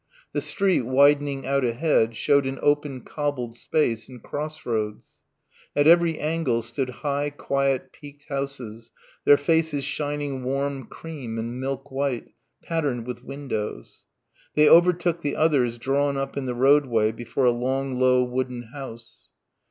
The street widening out ahead showed an open cobbled space and cross roads. At every angle stood high quiet peaked houses, their faces shining warm cream and milk white, patterned with windows. They overtook the others drawn up in the roadway before a long low wooden house.